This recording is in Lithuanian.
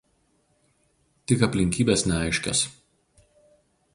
Tik aplinkybės neaiškios.